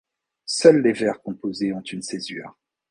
Seuls les vers composés ont une césure.